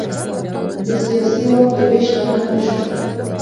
د سیاسي واک د وېش لامل نه شو.